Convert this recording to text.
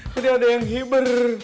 tadi ada yang hibur